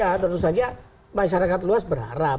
ya tentu saja masyarakat luas berharap